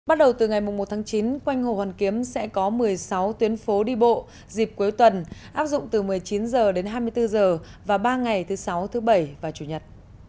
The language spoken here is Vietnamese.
bắt đầu từ ngày một tháng chín quanh hồ hoàn kiếm sẽ có một mươi sáu tuyến phố đi bộ dịp cuối tuần áp dụng từ một mươi chín h đến hai mươi bốn h và ba ngày thứ sáu thứ bảy và chủ nhật